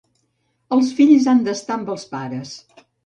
Els fills han d’estar amb els pares.